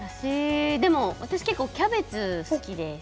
私、結構キャベツ好きです。